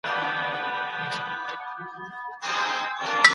پنځلس جمع يو؛ شپاړس کېږي.